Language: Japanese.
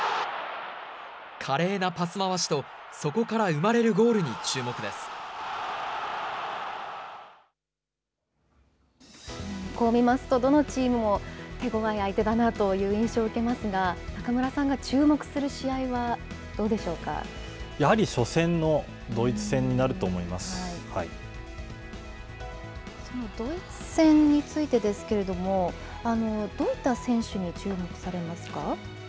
華麗なパス回しとそこから生まれるゴールに注目でこう見ますと、どのチームも手ごわい相手だなという印象を受けますが、中村さんが注目する試やはり初戦のドイツ戦になるとそのドイツ戦についてですけれども、どういった選手に注目されますか。